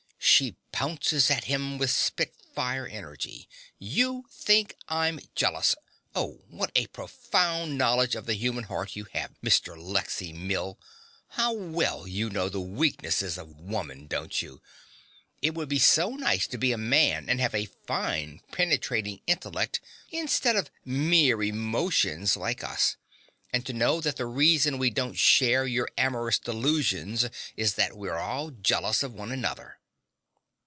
She pounces at him with spitfire energy.) You think I'm jealous. Oh, what a profound knowledge of the human heart you have, Mr. Lexy Mill! How well you know the weaknesses of Woman, don't you? It must be so nice to be a man and have a fine penetrating intellect instead of mere emotions like us, and to know that the reason we don't share your amorous delusions is that we're all jealous of one another!